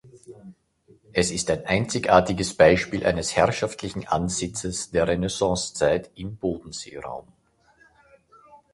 Es ist ein einzigartiges Beispiel eines herrschaftlichen Ansitzes der Renaissancezeit im Bodenseeraum.